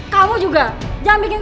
kalo itu jangan